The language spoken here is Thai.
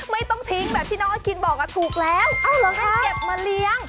ไม่ต้องทิ้งแบบที่น้องอาคินบอกถูกแล้วให้เก็บมาเลี้ยง